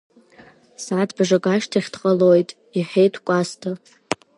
Сааҭыбжак ашьҭахь дҟалоит, — иҳәеит Кәасҭа.